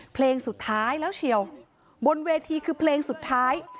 เพลงสุดท้ายแล้วเชียวบนเวทีคือเพลงสุดท้าย